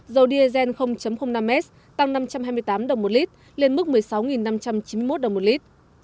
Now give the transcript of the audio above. dầu diesel năm s tăng năm trăm hai mươi tám đồng một lít lên mức một mươi sáu năm trăm chín mươi một đồng một lít